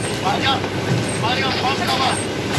ښځې هم په لويه جرګه کي ونډه لري.